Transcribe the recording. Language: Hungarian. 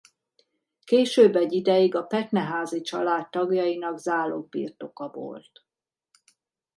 Később egy ideig a Petneházy család tagjainak zálogbirtoka volt.